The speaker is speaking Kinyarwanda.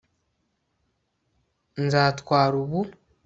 nzatwara ubu